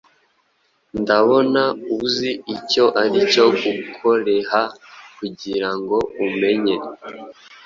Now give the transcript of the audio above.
Ndabona uzi icyo aricyo gukoreha kugirango umenye,